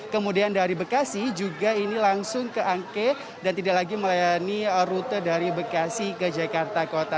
kemudian dari bekasi juga ini langsung ke angke dan tidak lagi melayani rute dari bekasi ke jakarta kota